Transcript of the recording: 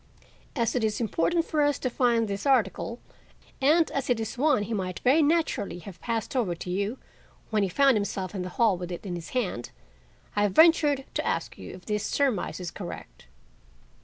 As it is important for us to find this article, and as it is one he might very naturally have passed over to you when he found himself in the hall with it in his hand, I have ventured to ask you if this surmise is correct."